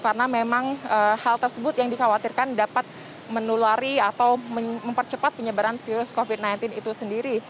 karena memang hal tersebut yang dikhawatirkan dapat menulari atau mempercepat penyebaran virus covid sembilan belas itu sendiri